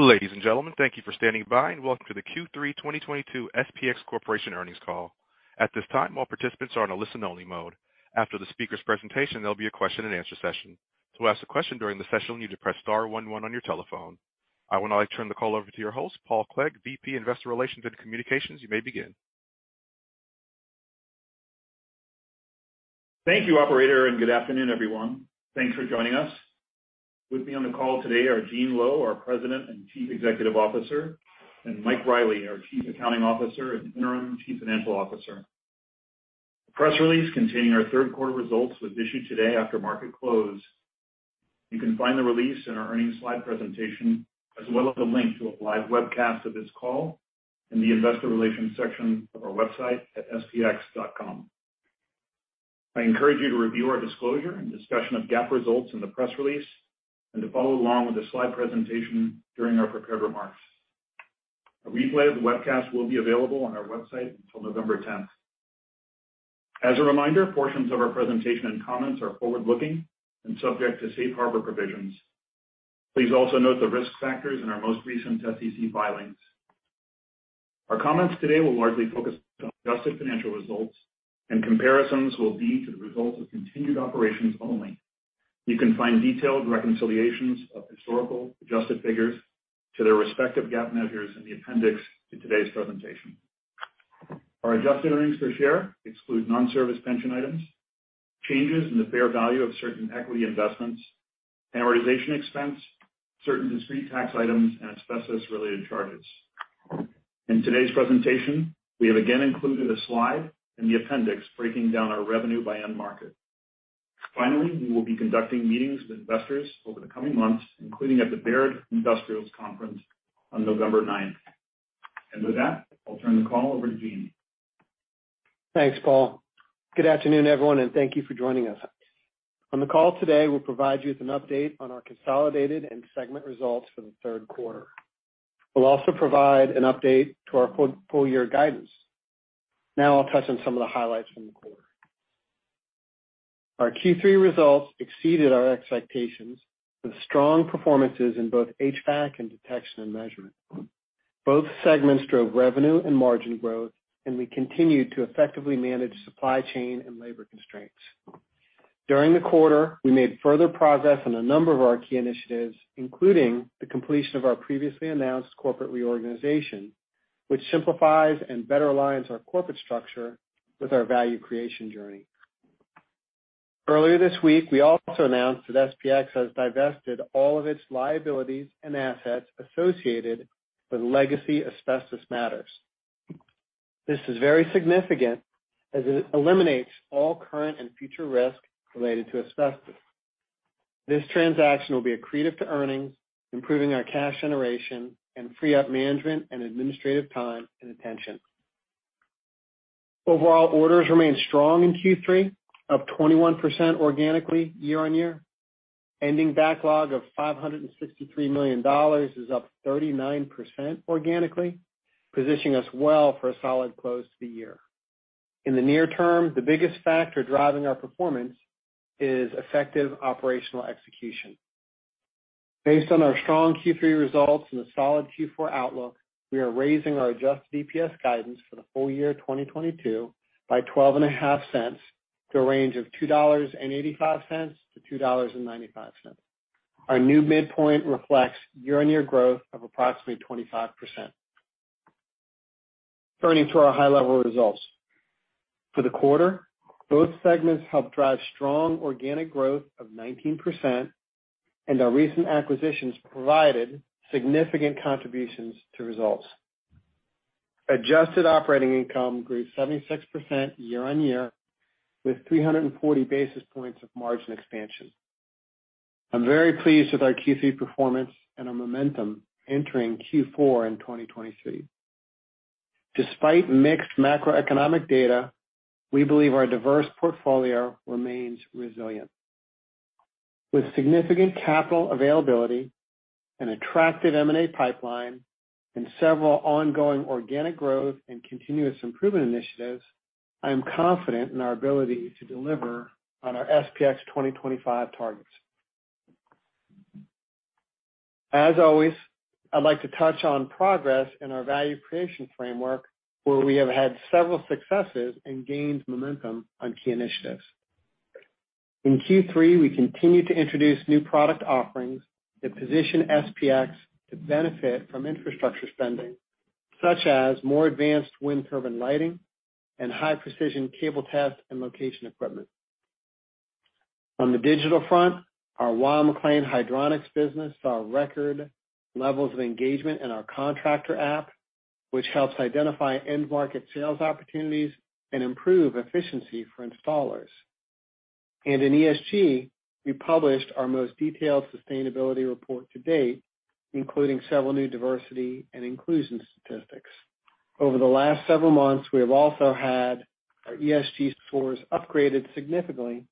Ladies and gentlemen, thank you for standing by and welcome to the Q3 2022 SPX Technologies earnings call. At this time, all participants are in a listen only mode. After the speaker's presentation, there'll be a question and answer session. To ask a question during the session, you need to press star one one on your telephone. I would now like to turn the call over to your host, Paul Clegg, VP Investor Relations and Communications. You may begin. Thank you, operator, and good afternoon, everyone. Thanks for joining us. With me on the call today are Gene Lowe, our President and Chief Executive Officer, and Mike Reilly, our Chief Accounting Officer and Interim Chief Financial Officer. The press release containing our third quarter results was issued today after market close. You can find the release in our earnings slide presentation as well as a link to a live webcast of this call in the investor relations section of our website at spx.com. I encourage you to review our disclosure and discussion of GAAP results in the press release and to follow along with the slide presentation during our prepared remarks. A replay of the webcast will be available on our website until November tenth. As a reminder, portions of our presentation and comments are forward-looking and subject to safe harbor provisions. Please also note the risk factors in our most recent SEC filings. Our comments today will largely focus on adjusted financial results, and comparisons will be to the results of continued operations only. You can find detailed reconciliations of historical adjusted figures to their respective GAAP measures in the appendix to today's presentation. Our adjusted earnings per share exclude non-service pension items, changes in the fair value of certain equity investments, amortization expense, certain discrete tax items and asbestos related charges. In today's presentation, we have again included a slide in the appendix breaking down our revenue by end market. Finally, we will be conducting meetings with investors over the coming months, including at the Baird Global Industrial Conference on November ninth. With that, I'll turn the call over to Gene. Thanks Paul. Good afternoon, everyone, and thank you for joining us. On the call today, we'll provide you with an update on our consolidated and segment results for the third quarter. We'll also provide an update to our full year guidance. Now I'll touch on some of the highlights from the quarter. Our Q3 results exceeded our expectations with strong performances in both HVAC and Detection and Measurement. Both segments drove revenue and margin growth, and we continued to effectively manage supply chain and labor constraints. During the quarter, we made further progress on a number of our key initiatives, including the completion of our previously announced corporate reorganization, which simplifies and better aligns our corporate structure with our value creation journey. Earlier this week, we also announced that SPX has divested all of its liabilities and assets associated with legacy asbestos matters. This is very significant as it eliminates all current and future risk related to asbestos. This transaction will be accretive to earnings, improving our cash generation, and free up management and administrative time and attention. Overall orders remained strong in Q3, up 21% organically year-on-year. Ending backlog of $563 million is up 39% organically, positioning us well for a solid close to the year. In the near term, the biggest factor driving our performance is effective operational execution. Based on our strong Q3 results and the solid Q4 outlook, we are raising our adjusted EPS guidance for the full year 2022 by $0.125 to a range of $2.85-$2.95. Our new midpoint reflects year-on-year growth of approximately 25%. Turning to our high-level results. For the quarter, both segments helped drive strong organic growth of 19%, and our recent acquisitions provided significant contributions to results. Adjusted operating income grew 76% year-over-year with 340 basis points of margin expansion. I'm very pleased with our Q3 performance and our momentum entering Q4 in 2023. Despite mixed macroeconomic data, we believe our diverse portfolio remains resilient. With significant capital availability, an attractive M&A pipeline, and several ongoing organic growth and continuous improvement initiatives, I am confident in our ability to deliver on our SPX 2025 targets. As always, I'd like to touch on progress in our value creation framework, where we have had several successes and gained momentum on key initiatives. In Q3, we continued to introduce new product offerings that position SPX to benefit from infrastructure spending, such as more advanced Wind Turbine Lighting and high precision Cable Test and Location Equipment. On the digital front, our Weil-McLain Hydronics business saw record levels of engagement in our contractor app, which helps identify end market sales opportunities and improve efficiency for installers. In ESG, we published our most detailed sustainability report to date, including several new diversity and inclusion statistics. Over the last several months, we have also had our ESG scores upgraded significantly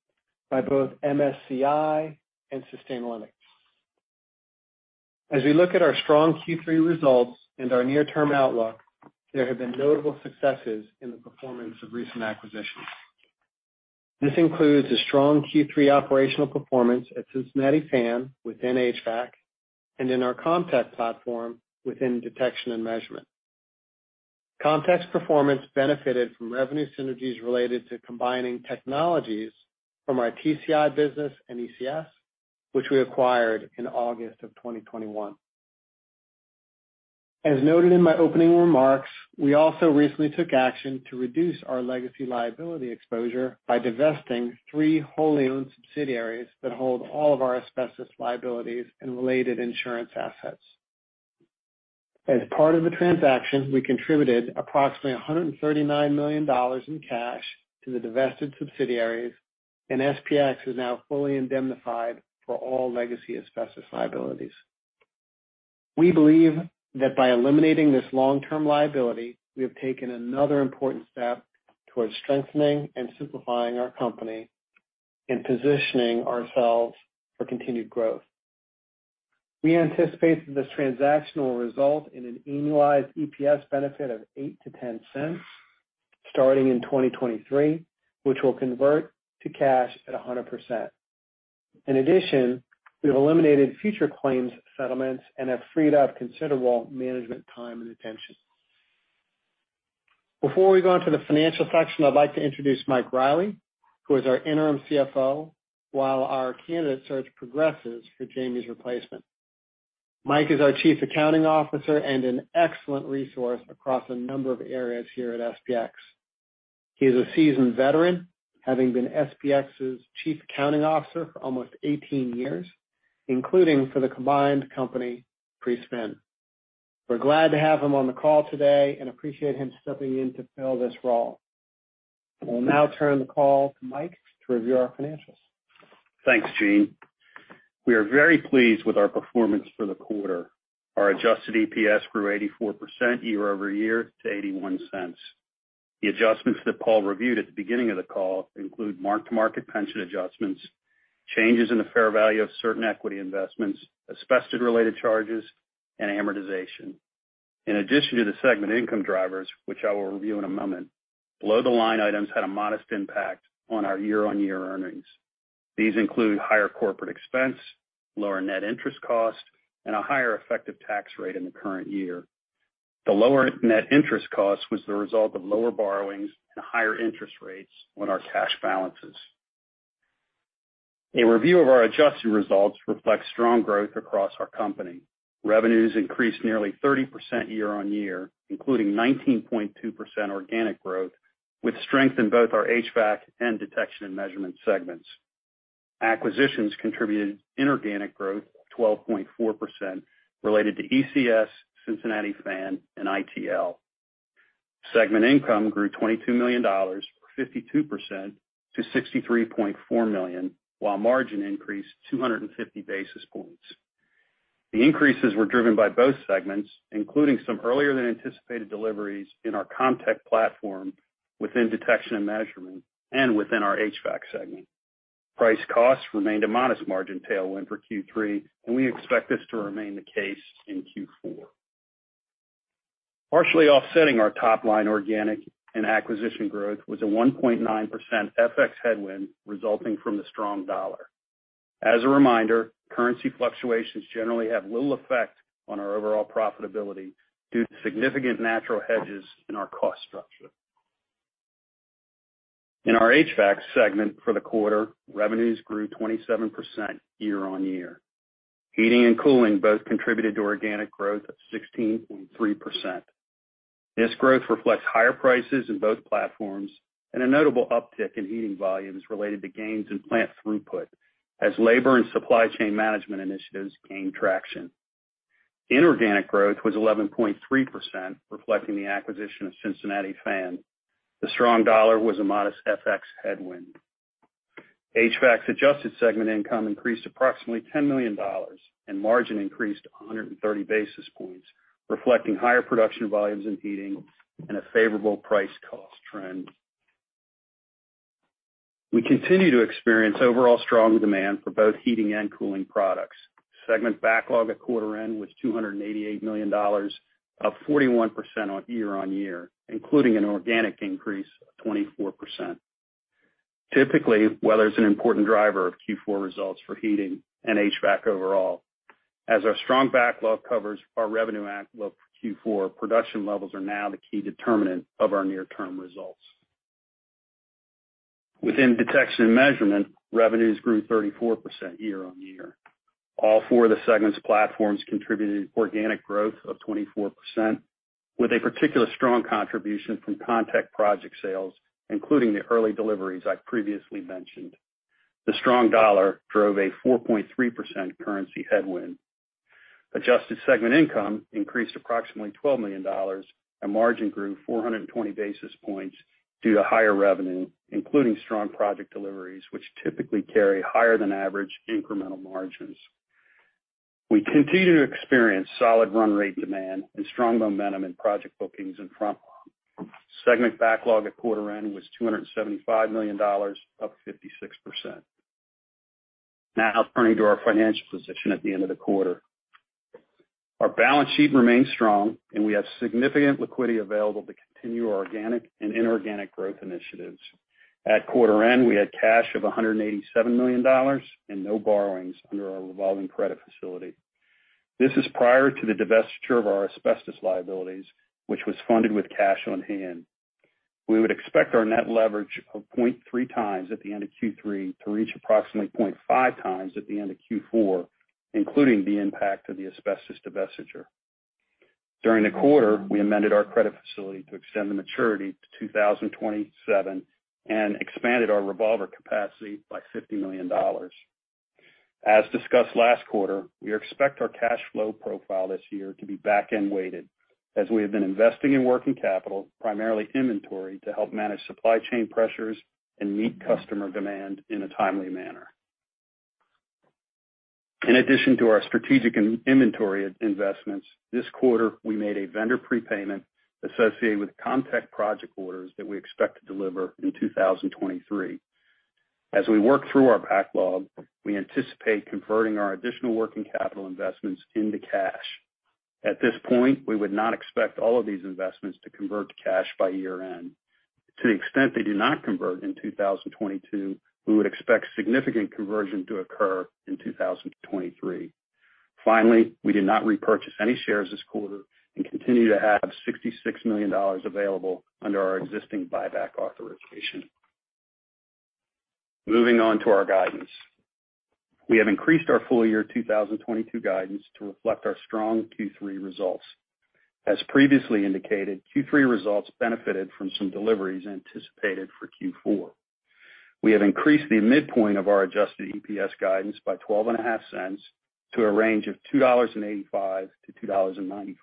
by both MSCI and Sustainalytics. As we look at our strong Q3 results and our near-term outlook, there have been notable successes in the performance of recent acquisitions. This includes a strong Q3 operational performance at Cincinnati Fan within HVAC and in our Comtech platform within Detection & Measurement. Comtech's performance benefited from revenue synergies related to combining technologies from our TCI business and ECS, which we acquired in August of 2021. As noted in my opening remarks, we also recently took action to reduce our legacy liability exposure by divesting three wholly owned subsidiaries that hold all of our asbestos liabilities and related insurance assets. As part of the transaction, we contributed approximately $139 million in cash to the divested subsidiaries, and SPX is now fully indemnified for all legacy asbestos liabilities. We believe that by eliminating this long-term liability, we have taken another important step towards strengthening and simplifying our company and positioning ourselves for continued growth. We anticipate that this transaction will result in an annualized EPS benefit of 8-10 cents starting in 2023, which will convert to cash at 100%. In addition, we have eliminated future claims settlements and have freed up considerable management time and attention. Before we go into the financial section, I'd like to introduce Mike Reilly, who is our interim CFO while our candidate search progresses for Jamie's replacement. Mike is our chief accounting officer and an excellent resource across a number of areas here at SPX. He is a seasoned veteran, having been SPX's chief accounting officer for almost 18 years, including for the combined company pre-spin. We're glad to have him on the call today and appreciate him stepping in to fill this role. I will now turn the call to Mike to review our financials. Thanks, Gene. We are very pleased with our performance for the quarter. Our adjusted EPS grew 84% year-over-year to $0.81. The adjustments that Paul reviewed at the beginning of the call include mark-to-market pension adjustments, changes in the fair value of certain equity investments, asbestos-related charges, and amortization. In addition to the segment income drivers, which I will review in a moment, below-the-line items had a modest impact on our year-over-year earnings. These include higher corporate expense, lower net interest cost, and a higher effective tax rate in the current year. The lower net interest cost was the result of lower borrowings and higher interest rates on our cash balances. A review of our adjusted results reflects strong growth across our company. Revenues increased nearly 30% year-over-year, including 19.2% organic growth, with strength in both our HVAC and detection and measurement segments. Acquisitions contributed inorganic growth of 12.4% related to ECS, Cincinnati Fan, and ITL. Segment income grew $22 million, or 52% to $63.4 million, while margin increased 250 basis points. The increases were driven by both segments, including some earlier than anticipated deliveries in our Comtech platform within detection and measurement and within our HVAC segment. Price costs remained a modest margin tailwind for Q3, and we expect this to remain the case in Q4. Partially offsetting our top line organic and acquisition growth was a 1.9% FX headwind resulting from the strong dollar. As a reminder, currency fluctuations generally have little effect on our overall profitability due to significant natural hedges in our cost structure. In our HVAC segment for the quarter, revenues grew 27% year-over-year. Heating and cooling both contributed to organic growth of 16.3%. This growth reflects higher prices in both platforms and a notable uptick in heating volumes related to gains in plant throughput as labor and supply chain management initiatives gain traction. Inorganic growth was 11.3%, reflecting the acquisition of Cincinnati Fan. The strong dollar was a modest FX headwind. HVAC's adjusted segment income increased approximately $10 million and margin increased 130 basis points, reflecting higher production volumes in heating and a favorable price cost trend. We continue to experience overall strong demand for both heating and cooling products. Segment backlog at quarter end was $288 million, up 41% year-over-year, including an organic increase of 24%. Typically, weather is an important driver of Q4 results for heating and HVAC overall. As our strong backlog covers our revenue outlook for Q4, production levels are now the key determinant of our near-term results. Within detection and measurement, revenues grew 34% year-over-year. All four of the segment's platforms contributed organic growth of 24%, with a particularly strong contribution from Comtech project sales, including the early deliveries I previously mentioned. The strong dollar drove a 4.3% currency headwind. Adjusted segment income increased approximately $12 million, and margin grew 420 basis points due to higher revenue, including strong project deliveries, which typically carry higher than average incremental margins. We continue to experience solid run rate demand and strong momentum in project bookings and front log. Segment backlog at quarter end was $275 million, up 56%. Now turning to our financial position at the end of the quarter. Our balance sheet remains strong, and we have significant liquidity available to continue our organic and inorganic growth initiatives. At quarter end, we had cash of $187 million and no borrowings under our revolving credit facility. This is prior to the divestiture of our asbestos liabilities, which was funded with cash on hand. We would expect our net leverage of 0.3x at the end of Q3 to reach approximately 0.5x at the end of Q4, including the impact of the asbestos divestiture. During the quarter, we amended our credit facility to extend the maturity to 2027 and expanded our revolver capacity by $50 million. As discussed last quarter, we expect our cash flow profile this year to be back-end weighted as we have been investing in working capital, primarily inventory, to help manage supply chain pressures and meet customer demand in a timely manner. In addition to our strategic in inventory investments, this quarter, we made a vendor prepayment associated with CommTech project orders that we expect to deliver in 2023. As we work through our backlog, we anticipate converting our additional working capital investments into cash. At this point, we would not expect all of these investments to convert to cash by year-end. To the extent they do not convert in 2022, we would expect significant conversion to occur in 2023. Finally, we did not repurchase any shares this quarter and continue to have $66 million available under our existing buyback authorization. Moving on to our guidance. We have increased our full year 2022 guidance to reflect our strong Q3 results. As previously indicated, Q3 results benefited from some deliveries anticipated for Q4. We have increased the midpoint of our adjusted EPS guidance by 12.5 cents to a range of $2.85-$2.95.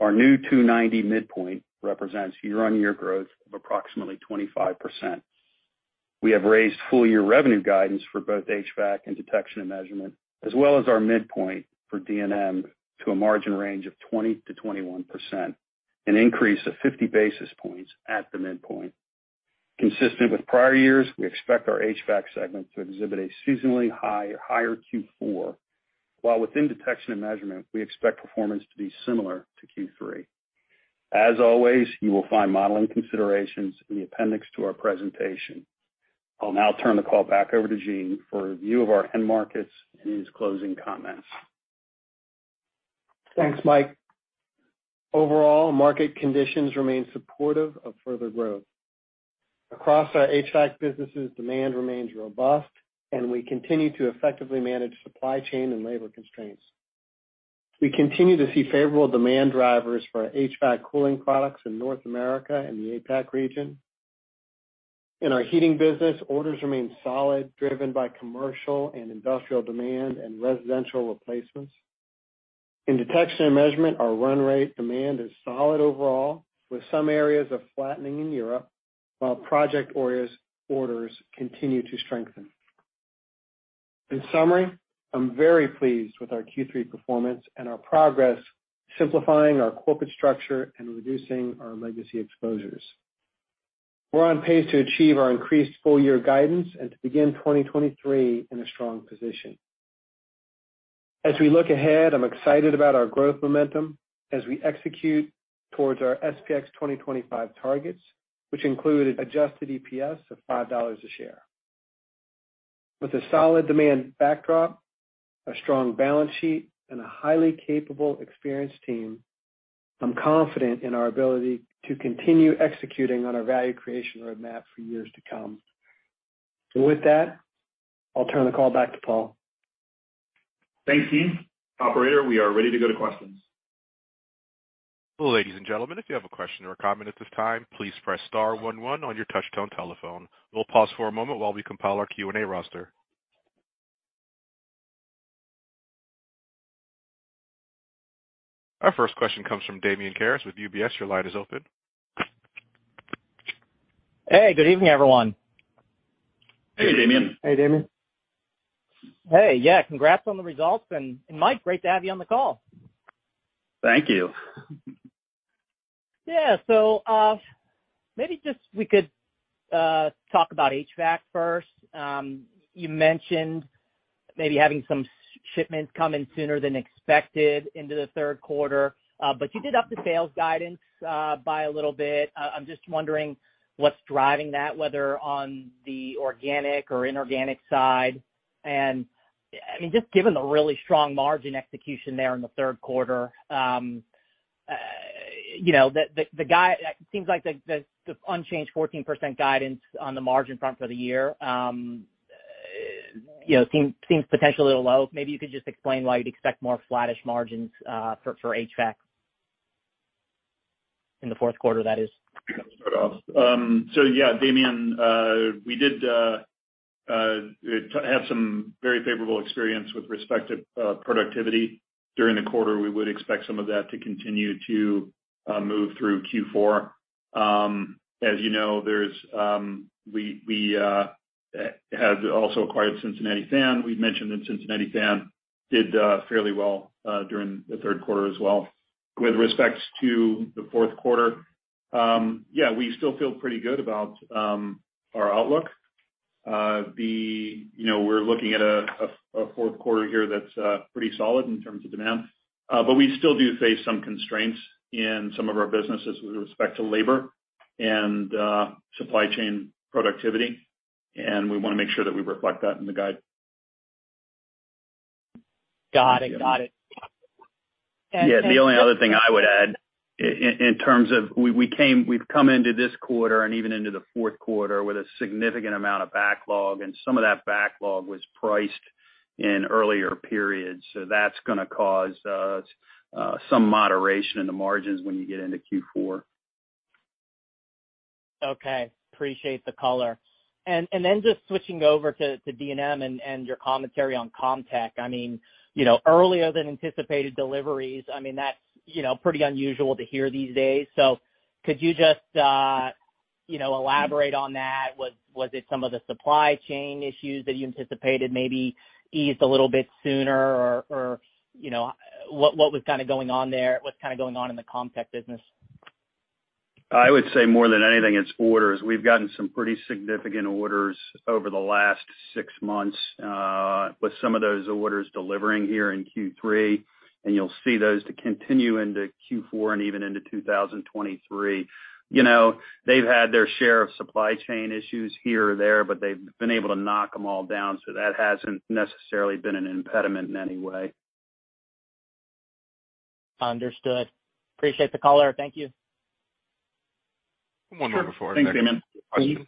Our new $2.90 midpoint represents year-on-year growth of approximately 25%. We have raised full year revenue guidance for both HVAC and detection and measurement, as well as our midpoint for DNM to a margin range of 20%-21%, an increase of 50 basis points at the midpoint. Consistent with prior years, we expect our HVAC segment to exhibit a seasonally higher Q4, while within detection and measurement, we expect performance to be similar to Q3. As always, you will find modeling considerations in the appendix to our presentation. I'll now turn the call back over to Gene for a view of our end markets and his closing comments. Thanks, Mike. Overall, market conditions remain supportive of further growth. Across our HVAC businesses, demand remains robust, and we continue to effectively manage supply chain and labor constraints. We continue to see favorable demand drivers for our HVAC cooling products in North America and the APAC region. In our heating business, orders remain solid, driven by commercial and industrial demand and residential replacements. In Detection and Measurement, our run rate demand is solid overall, with some areas of flattening in Europe, while project orders continue to strengthen. In summary, I'm very pleased with our Q3 performance and our progress simplifying our corporate structure and reducing our legacy exposures. We're on pace to achieve our increased full year guidance and to begin 2023 in a strong position. As we look ahead, I'm excited about our growth momentum as we execute towards our SPX 2025 targets, which include an adjusted EPS of $5 a share. With a solid demand backdrop, a strong balance sheet, and a highly capable, experienced team, I'm confident in our ability to continue executing on our value creation roadmap for years to come. With that, I'll turn the call back to Paul. Thanks, Gene. Operator, we are ready to go to questions. Ladies and gentlemen, if you have a question or comment at this time, please press star one one on your touchtone telephone. We'll pause for a moment while we compile our Q&A roster. Our first question comes from Damian Karas with UBS. Your line is open. Hey, good evening, everyone. Hey, Damian. Hey, Damian. Hey. Yeah, congrats on the results. Mike, great to have you on the call. Thank you. Maybe just we could talk about HVAC first. You mentioned maybe having some shipments come in sooner than expected into the third quarter, but you upped the sales guidance by a little bit. I'm just wondering what's driving that, whether on the organic or inorganic side. I mean, just given the really strong margin execution there in the third quarter, you know, it seems like the unchanged 14% guidance on the margin front for the year, you know, seems potentially low. Maybe you could just explain why you'd expect more flattish margins for HVAC in the fourth quarter, that is. I can start off. So yeah, Damian, we did have some very favorable experience with respect to productivity during the quarter. We would expect some of that to continue to move through Q4. As you know, we have also acquired Cincinnati Fan. We've mentioned that Cincinnati Fan did fairly well during the third quarter as well. With respect to the fourth quarter Yeah, we still feel pretty good about our outlook. You know, we're looking at a fourth quarter here that's pretty solid in terms of demand. But we still do face some constraints in some of our businesses with respect to labor and supply chain productivity. We wanna make sure that we reflect that in the guide. Got it. Got it. Yeah. Yeah. The only other thing I would add in terms of we've come into this quarter and even into the fourth quarter with a significant amount of backlog, and some of that backlog was priced in earlier periods. That's gonna cause some moderation in the margins when you get into Q4. Okay. Appreciate the color. Then just switching over to DNM and your commentary on Comtech. I mean, you know, earlier than anticipated deliveries. I mean, that's, you know, pretty unusual to hear these days. Could you just, you know, elaborate on that? Was it some of the supply chain issues that you anticipated maybe eased a little bit sooner or, you know, what was kinda going on there? What's kinda going on in the Comtech business? I would say more than anything, it's orders. We've gotten some pretty significant orders over the last six months, with some of those orders delivering here in Q3, and you'll see those to continue into Q4 and even into 2023. You know, they've had their share of supply chain issues here or there, but they've been able to knock them all down, so that hasn't necessarily been an impediment in any way. Understood. Appreciate the color. Thank you. One more before our next. Sure. Thanks, Damian.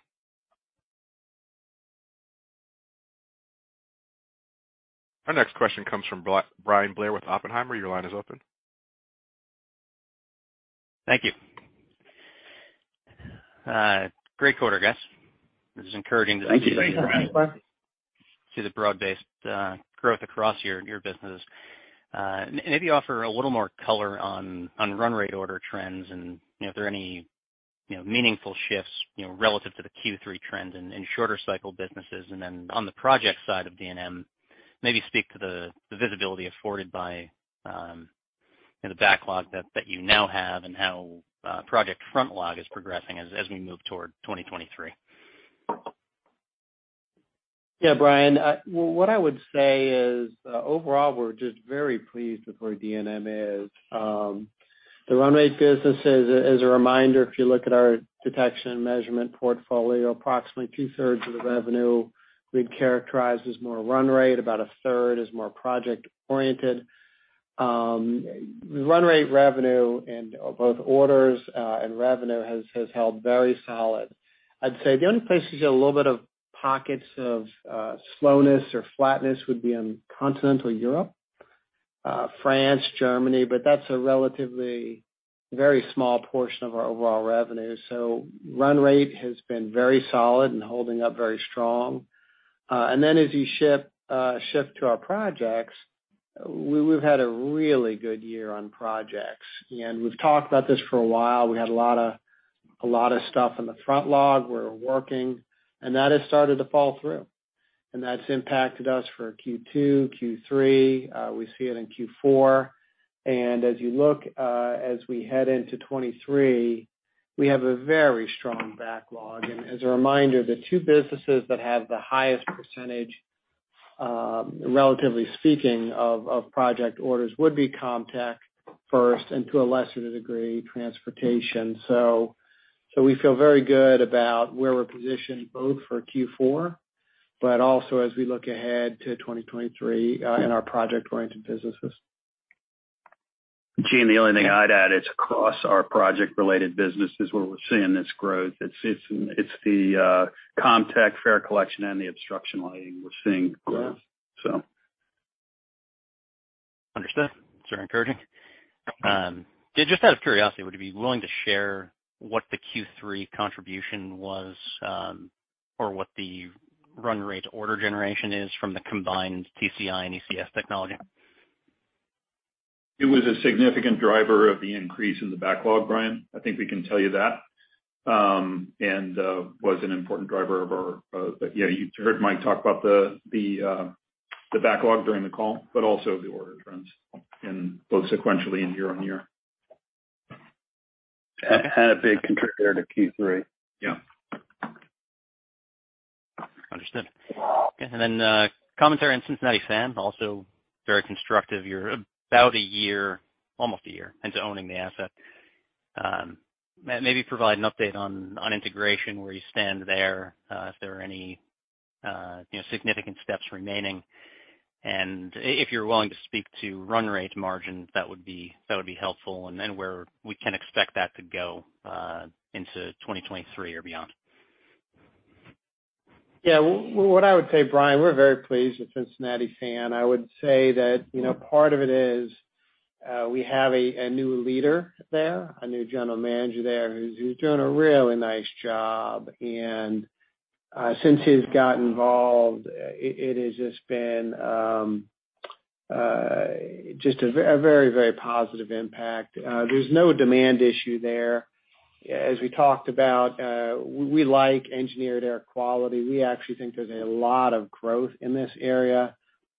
Our next question comes from Bryan Blair with Oppenheimer. Your line is open. Thank you. Great quarter, guys. This is encouraging. Thank you. Thanks, Bryan. See the broad-based growth across your businesses. Maybe offer a little more color on run rate order trends and you know, if there are any you know, meaningful shifts you know, relative to the Q3 trends in shorter cycle businesses. Then on the project side of DNM, maybe speak to the visibility afforded by you know, the backlog that you now have and how project front log is progressing as we move toward 2023. Yeah. Bryan, well, what I would say is, overall, we're just very pleased with where DNM is. The run rate business is, as a reminder, if you look at our detection and measurement portfolio, approximately two-thirds of the revenue we'd characterize as more run rate, about a third is more project oriented. Run rate revenue and both orders, and revenue has held very solid. I'd say the only places you have a little bit of pockets of slowness or flatness would be in Continental Europe, France, Germany, but that's a relatively very small portion of our overall revenue. So run rate has been very solid and holding up very strong. And then as you shift to our projects, we've had a really good year on projects. We've talked about this for a while. We had a lot of stuff in the front log we're working, and that has started to fall through, and that's impacted us for Q2, Q3, we see it in Q4. As you look, as we head into 2023, we have a very strong backlog. As a reminder, the two businesses that have the highest percentage, relatively speaking, of project orders would be Comtech first, and to a lesser degree, transportation. We feel very good about where we're positioned both for Q4, but also as we look ahead to 2023, in our project-oriented businesses. Gene, the only thing I'd add, it's across our project-related businesses where we're seeing this growth. It's the Comtech, fare collection, and the obstruction lighting we're seeing growth. Yeah. So. Understood. It's very encouraging. Just out of curiosity, would you be willing to share what the Q3 contribution was, or what the run rate order generation is from the combined TCI and ECS technology? It was a significant driver of the increase in the backlog, Bryan. I think we can tell you that. Yeah, you heard Michael talk about the backlog during the call, but also the order trends in both sequentially and year-on-year. A big contributor to Q3. Yeah. Understood. Okay. Commentary on Cincinnati Fan, also very constructive. You're about a year, almost a year into owning the asset. Maybe provide an update on integration, where you stand there, if there are any, you know, significant steps remaining. If you're willing to speak to run rate margin, that would be helpful, and then where we can expect that to go into 2023 or beyond. Yeah. What I would say, Bryan, we're very pleased with Cincinnati Fan. I would say that, you know, part of it is, we have a new leader there, a new general manager there, who's doing a really nice job. Since he's got involved, it has just been a very positive impact. There's no demand issue there. As we talked about, we like engineered air quality. We actually think there's a lot of growth in this area.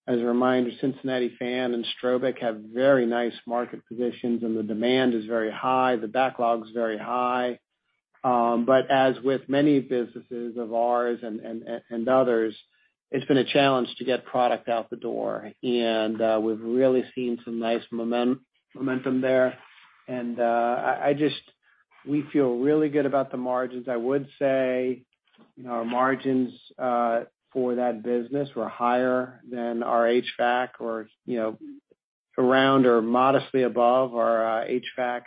As a reminder, Cincinnati Fan and Strobic have very nice market positions, and the demand is very high, the backlog is very high. As with many businesses of ours and others, it's been a challenge to get product out the door. We've really seen some nice momentum there. We feel really good about the margins. I would say, you know, our margins for that business were higher than our HVAC or, you know, around or modestly above our HVAC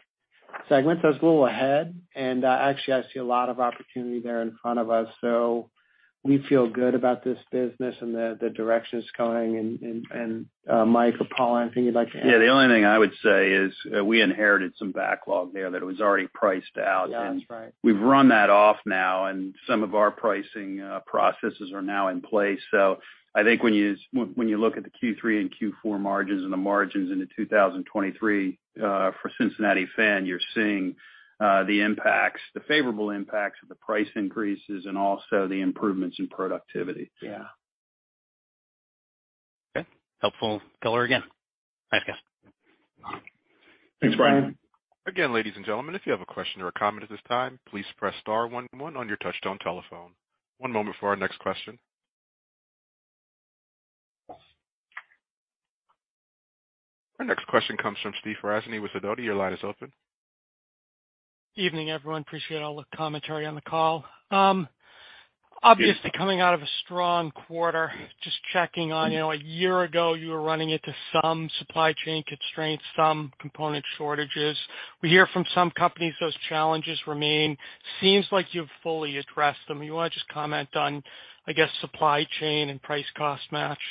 segment. It's a little ahead. Actually, I see a lot of opportunity there in front of us. We feel good about this business and then Mike or Paul, anything you'd like to add? Yeah. The only thing I would say is, we inherited some backlog there that was already priced out. Yeah, that's right. We've run that off now, and some of our pricing processes are now in place. I think when you look at the Q3 and Q4 margins and the margins into 2023, for Cincinnati Fan, you're seeing the impacts, the favorable impacts of the price increases and also the improvements in productivity. Yeah. Okay. Helpful color again. Thanks, guys. Thanks, Bryan. Thanks. Again, ladies and gentlemen, if you have a question or a comment at this time, please press star one one on your touchtone telephone. One moment for our next question. Our next question comes from Steve Ferazani with Sidoti & Company. Your line is open. Evening, everyone. Appreciate all the commentary on the call. Obviously coming out of a strong quarter, just checking on, you know, a year ago, you were running into some supply chain constraints, some component shortages. We hear from some companies, those challenges remain. Seems like you've fully addressed them. You wanna just comment on, I guess, supply chain and price cost match?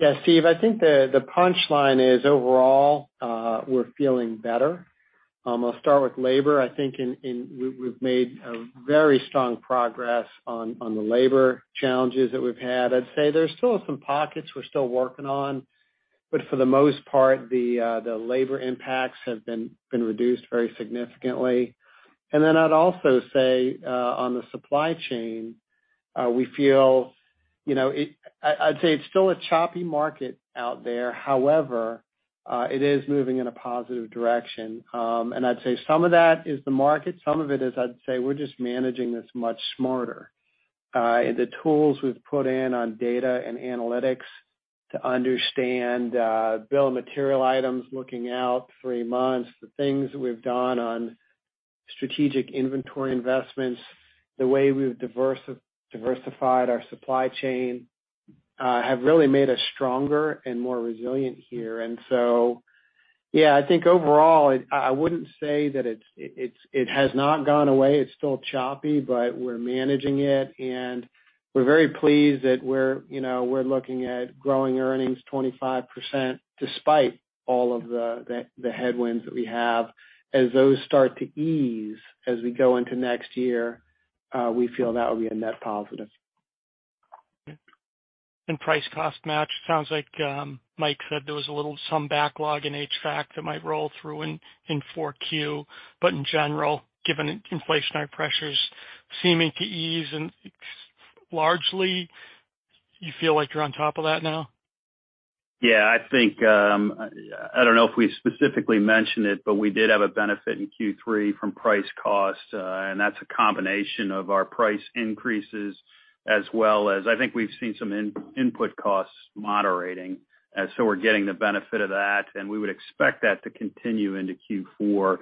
Yeah. Steve, I think the punch line is overall, we're feeling better. I'll start with labor. I think we've made a very strong progress on the labor challenges that we've had. I'd say there's still some pockets we're still working on, but for the most part, the labor impacts have been reduced very significantly. Then I'd also say on the supply chain, we feel, you know, I'd say it's still a choppy market out there. However, it is moving in a positive direction. I'd say some of that is the market, some of it is, I'd say, we're just managing this much smarter. The tools we've put in on data and analytics to understand bill of material items looking out three months, the things we've done on strategic inventory investments, the way we've diversified our supply chain have really made us stronger and more resilient here. Yeah, I think overall, I wouldn't say that it has not gone away, it's still choppy, but we're managing it, and we're very pleased that we're, you know, we're looking at growing earnings 25% despite all of the headwinds that we have. As those start to ease as we go into next year, we feel that will be a net positive. Okay. Price cost match sounds like Mike said there was a little some backlog in HVAC that might roll through in 4Q. In general, given inflationary pressures seeming to ease and largely, you feel like you're on top of that now? Yeah. I think, I don't know if we specifically mentioned it, but we did have a benefit in Q3 from price cost, and that's a combination of our price increases as well as I think we've seen some input costs moderating. We're getting the benefit of that, and we would expect that to continue into Q4.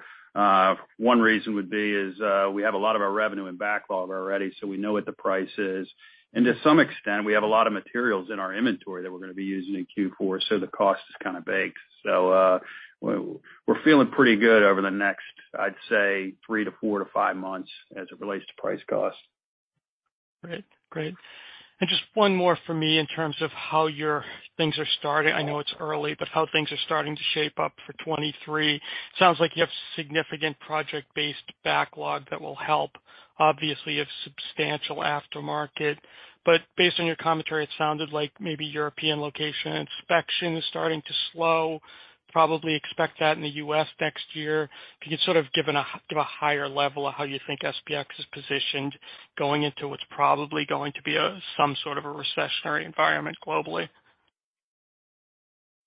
One reason would be is we have a lot of our revenue in backlog already, so we know what the price is. To some extent, we have a lot of materials in our inventory that we're gonna be using in Q4, so the cost is kinda baked. We're feeling pretty good over the next, I'd say, 3 to 4 to 5 months as it relates to price cost. Great. Just one more for me in terms of how your things are starting. I know it's early, but how things are starting to shape up for 2023. Sounds like you have significant project-based backlog that will help, obviously, a substantial aftermarket. Based on your commentary, it sounded like maybe European location inspection is starting to slow, probably expect that in the U.S. next year. Can you sort of give a higher level of how you think SPX is positioned going into what's probably going to be a some sort of a recessionary environment globally?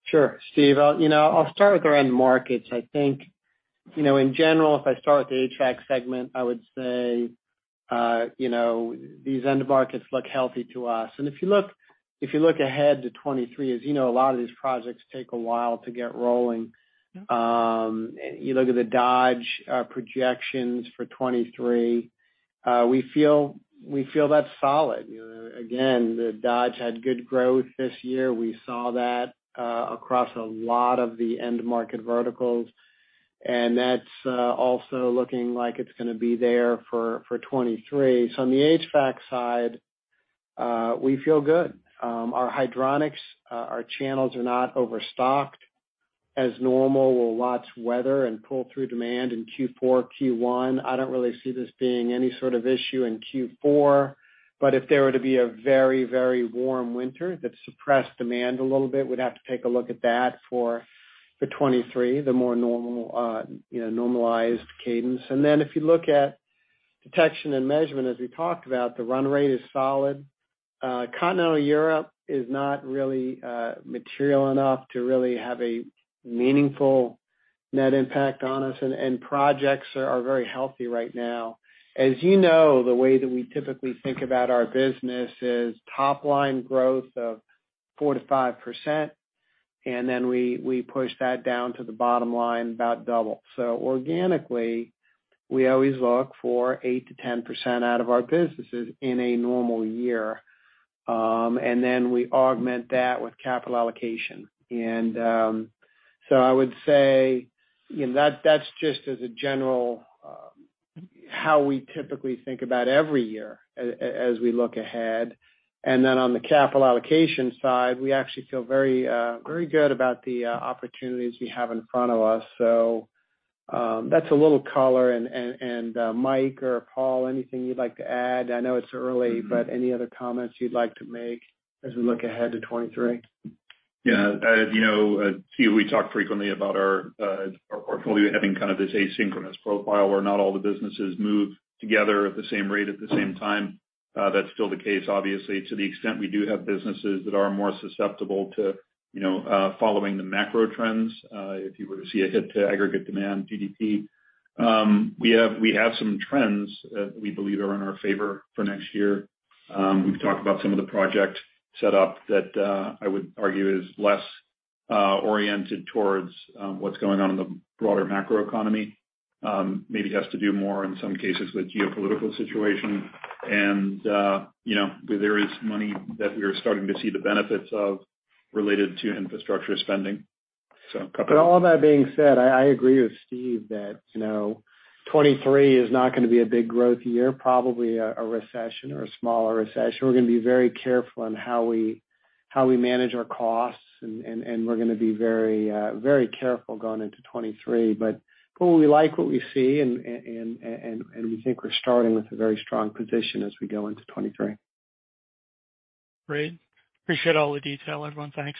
Sure. Steve, I'll start with our end markets. I think in general, if I start with the HVAC segment, I would say these end markets look healthy to us. If you look ahead to 2023, as you know, a lot of these projects take a while to get rolling. You look at the Dodge projections for 2023, we feel that's solid. You know, again, the Dodge had good growth this year. We saw that across a lot of the end market verticals, and that's also looking like it's gonna be there for 2023. So on the HVAC side, we feel good. Our hydronics, our channels are not overstocked. As normal, we'll watch weather and pull through demand in Q4, Q1. I don't really see this being any sort of issue in Q4. If there were to be a very, very warm winter that suppressed demand a little bit, we'd have to take a look at that for the 2023, the more normal, you know, normalized cadence. Then if you look at Detection and Measurement, as we talked about, the run rate is solid. Continental Europe is not really material enough to really have a meaningful net impact on us, and projects are very healthy right now. As you know, the way that we typically think about our business is top line growth of 4%-5%, and then we push that down to the bottom line about double. Organically, we always look for 8%-10% out of our businesses in a normal year. We augment that with capital allocation. I would say that's just as a general how we typically think about every year as we look ahead. On the capital allocation side, we actually feel very good about the opportunities we have in front of us. That's a little color. Mike or Paul, anything you'd like to add? I know it's early, but any other comments you'd like to make as we look ahead to 2023? Yeah. As you know, Steve, we talk frequently about our portfolio having kind of this asynchronous profile where not all the businesses move together at the same rate at the same time. That's still the case, obviously, to the extent we do have businesses that are more susceptible to, you know, following the macro trends, if you were to see a hit to aggregate demand GDP. We have some trends that we believe are in our favor for next year. We've talked about some of the project set up that I would argue is less oriented towards what's going on in the broader macro economy. Maybe has to do more in some cases with geopolitical situation. You know, there is money that we are starting to see the benefits of related to infrastructure spending. So couple. All that being said, I agree with Steve that, you know, 2023 is not gonna be a big growth year, probably a recession or a smaller recession. We're gonna be very careful on how we manage our costs, and we're gonna be very careful going into 2023. Boy, we like what we see and we think we're starting with a very strong position as we go into 2023. Great. Appreciate all the detail, everyone. Thanks.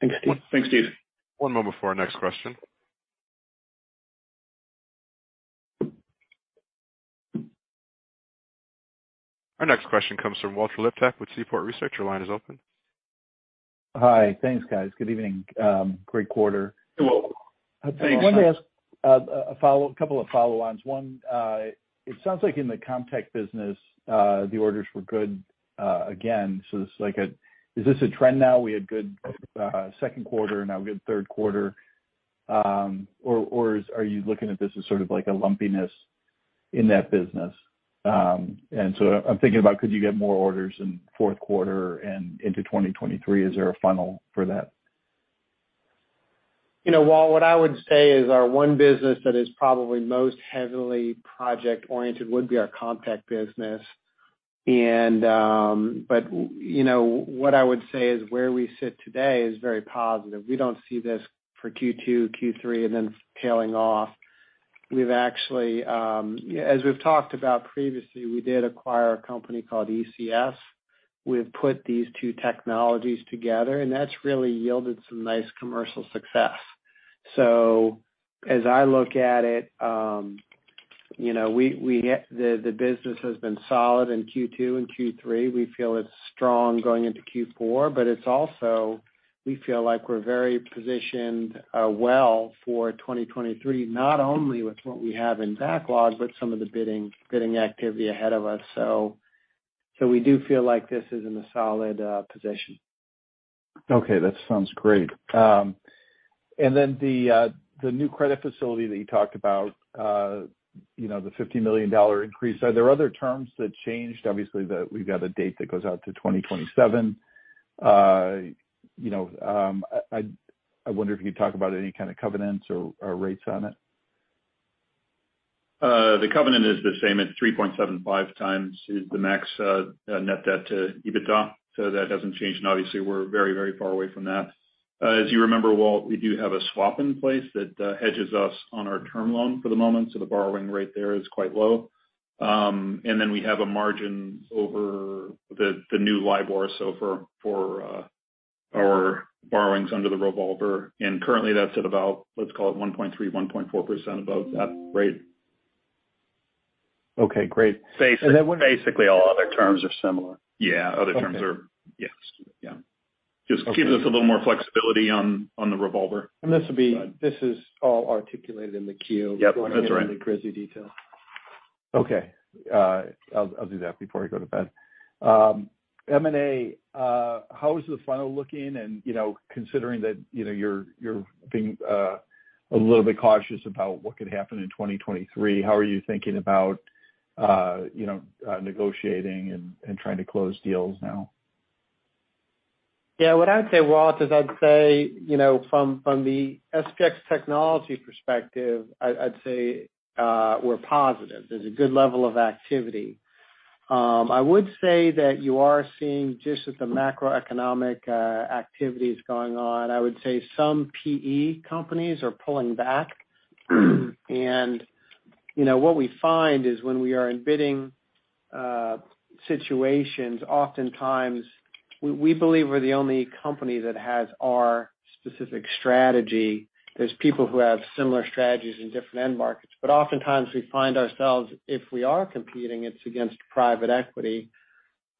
Thanks, Steve. Thanks, Steve. One moment before our next question. Our next question comes from Walter Liptak with Seaport Research Partners. Your line is open. Hi. Thanks, guys. Good evening. Great quarter. You're welcome. Thanks. I wanted to ask a follow-up, a couple of follow-ons. One, it sounds like in the Comtech business, the orders were good again. Is this a trend now? We had good second quarter, now good third quarter. Are you looking at this as sort of like a lumpiness in that business? I'm thinking about could you get more orders in fourth quarter and into 2023. Is there a funnel for that? You know, Walt, what I would say is our one business that is probably most heavily project-oriented would be our Comtech business. You know, what I would say is where we sit today is very positive. We don't see this for Q2, Q3, and then tailing off. We've actually, as we've talked about previously, we did acquire a company called ECS. We've put these two technologies together, and that's really yielded some nice commercial success. As I look at it, the business has been solid in Q2 and Q3. We feel it's strong going into Q4, but it's also we feel like we're very positioned well for 2023, not only with what we have in backlog, but some of the bidding activity ahead of us. We do feel like this is in a solid position. Okay, that sounds great. The new credit facility that you talked about, you know, the $50 million increase. Are there other terms that changed? Obviously, we've got a date that goes out to 2027. You know, I wonder if you could talk about any kind of covenants or rates on it. The covenant is the same. It's 3.75 times the max net debt to EBITDA, so that hasn't changed. Obviously, we're very, very far away from that. As you remember, Walt, we do have a swap in place that hedges us on our term loan for the moment, so the borrowing rate there is quite low. Then we have a margin over the new LIBOR, so for our borrowings under the revolver. Currently, that's at about, let's call it 1.3-1.4% above that rate. Okay, great. Basically all other terms are similar. Just gives us a little more flexibility on the revolver. This is all articulated in the Q. Yep, that's right. The crazy detail. Okay. I'll do that before I go to bed. M&A, how is the funnel looking? You know, considering that, you know, you're being a little bit cautious about what could happen in 2023, how are you thinking about, you know, negotiating and trying to close deals now? Yeah. What I'd say, Walt, is I'd say, you know, from the SPX Technologies perspective, I'd say, we're positive. There's a good level of activity. I would say that you are seeing just with the macroeconomic activities going on, I would say some PE companies are pulling back. What we find is when we are in bidding situations, oftentimes we believe we're the only company that has our specific strategy. There's people who have similar strategies in different end markets. Oftentimes we find ourselves, if we are competing, it's against private equity.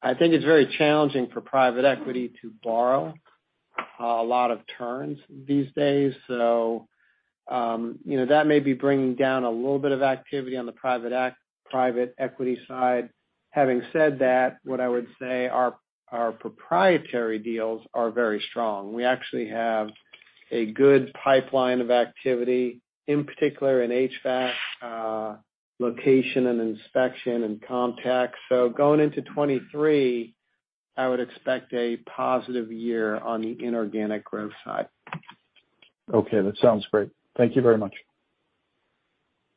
I think it's very challenging for private equity to borrow a lot of turns these days. That may be bringing down a little bit of activity on the private equity side. Having said that, what I would say, our proprietary deals are very strong. We actually have a good pipeline of activity, in particular in HVAC, Location and Inspection and Comtech. Going into 2023, I would expect a positive year on the inorganic growth side. Okay, that sounds great. Thank you very much.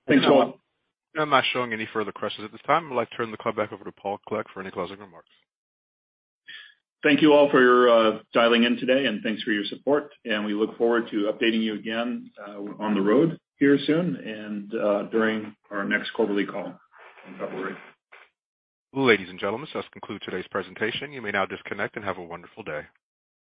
Thanks, Walt. You're welcome. I'm not showing any further questions at this time. I'd like to turn the call back over to Paul Clegg for any closing remarks. Thank you all for dialing in today, and thanks for your support. We look forward to updating you again on the road here soon and during our next quarterly call in February. Ladies and gentlemen, this does conclude today's presentation. You may now disconnect and have a wonderful day.